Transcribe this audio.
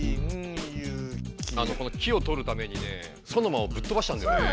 この「き」をとるためにねソノマをぶっとばしたんだよね。